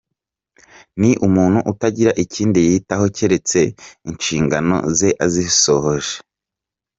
Ni umuntu utagira ikindi yitaho keretse inshingano ze azisohoje.